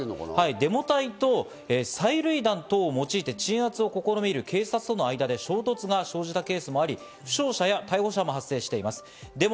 デモ隊と催涙弾等を用いて、鎮圧を試みる警察との間で衝突が生じたケースもあり、負傷者や逮捕者も発生しています。